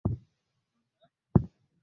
Mlima Kilimanjaro ukionekana kwa mbali